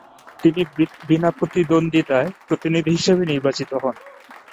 তিনি বিনা প্রতিদ্বন্দ্বিতায় প্রতিনিধি হিসেবে নির্বাচিত হন।